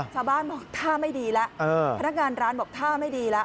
ชาวบ้านบอกท่าไม่ดีแล้วพนักงานร้านบอกท่าไม่ดีแล้ว